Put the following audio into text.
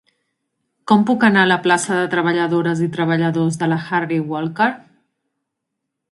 Com puc anar a la plaça de Treballadores i Treballadors de la Harry Walker